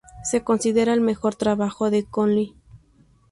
Se considera el mejor trabajo de Connolly.